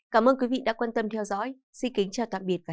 cảm ơn quý vị đã quan tâm theo dõi xin kính chào tạm biệt và hẹn gặp lại